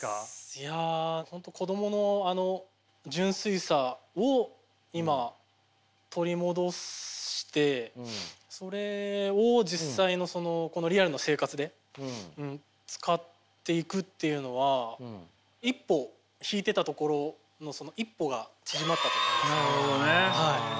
いや本当に子供の純粋さを今取り戻してそれを実際のリアルの生活で使っていくっていうのは一歩引いてたところのその一歩が縮まったと思いますね。